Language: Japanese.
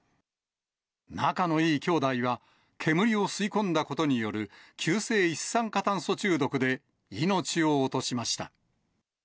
仲のいい兄弟は、煙を吸い込んだことによる急性一酸化炭素中毒で命を落としました。